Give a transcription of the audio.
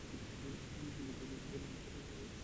হঠাৎ দেখিতে পাইলাম, বাহিরে আলো হইয়াছে।